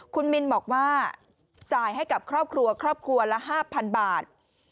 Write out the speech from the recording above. คุณมินบอกว่าจ่ายให้กับครอบครัวครอบครัวละ๕๐๐๐บาท